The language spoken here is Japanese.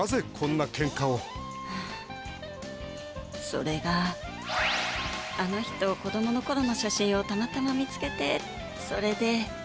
それがあの人子どものころの写真をたまたま見つけてそれで。